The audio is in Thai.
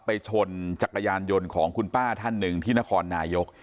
ชนจักรยานยนต์ของคุณป้าท่านหนึ่งที่นครนายก